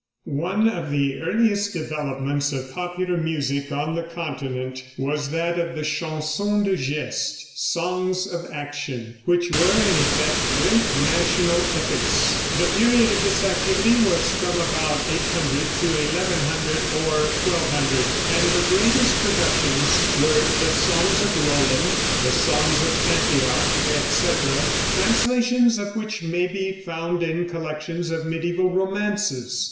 One of the earliest developments of popular music on the continent was that of the Chansons de Geste ("Songs of Action"), which were, in effect, great national epics. The period of this activity was from about 800 to 1100 or 1200, and the greatest productions were the "Songs of Roland," the "Song of Antioch," etc., translations of which may be found in collections of mediæval romances.